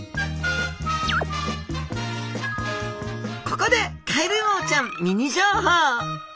ここでカエルウオちゃんミニ情報。